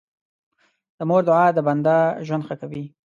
د مور دعا د بنده ژوند ښه کوي.